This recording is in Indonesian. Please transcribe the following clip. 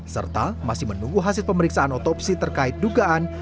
serta masih menunggu hasil pemeriksaan otopsi terkait dugaan